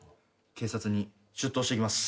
警察に出頭してきます。